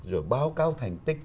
rồi báo cáo thành tích